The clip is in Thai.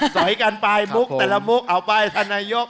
ส่วนให้กันปลายมุกแต่ละมุกเอาปลายสนายก